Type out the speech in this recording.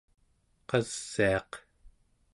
qasiaq